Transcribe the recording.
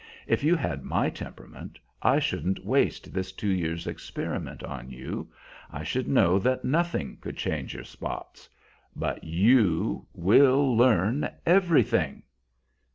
If you had my temperament I shouldn't waste this two years' experiment on you; I should know that nothing could change your spots. But you will learn everything.